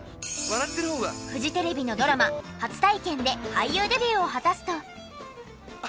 フジテレビのドラマ『初体験』で俳優デビューを果たすと。